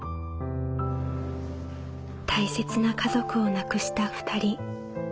大切な家族を亡くした２人。